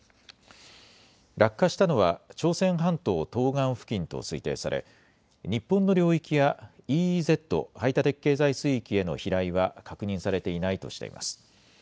落下したのは朝鮮半島東岸付近と推定され、日本の領域やＥＥＺ・排他的経済水域への飛来は確認されていないとしています。